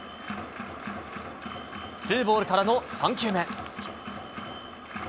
ツーボールからの３球目。